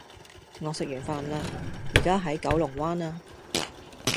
我食完飯啦，依家喺九龍灣啊